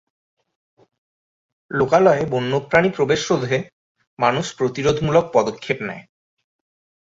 লোকালয়ে বন্যপ্রাণী প্রবেশ রোধে মানুষ প্রতিরোধমূলক পদক্ষেপ নেয়।